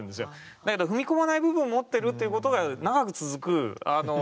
だけど踏み込まない部分を持っているということが長く続くあの。